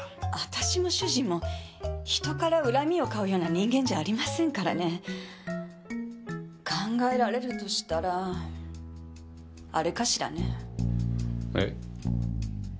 私も主人も人から恨みを買うような人間じゃありませんからね考えられるとしたらあれかしらねえっ？